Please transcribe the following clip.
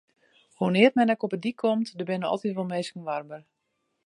Hoenear't men ek op 'e dyk komt, der binne altyd wol minsken warber.